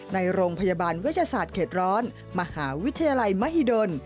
ในโรงพยาบาลวิทยาศาสตร์เขตร้อนมหาวิทยาลัยมหิดล